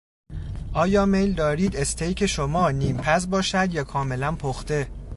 آیا میل دارید " استیک" شما نیمپز باشد یا کاملا پخته؟